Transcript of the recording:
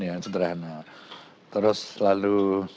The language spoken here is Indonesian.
ya sederhana terus lalu